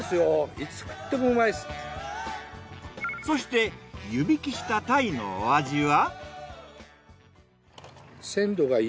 そして湯引きしたタイのお味は？